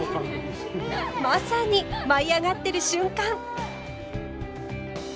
まさに舞いあがってる瞬間！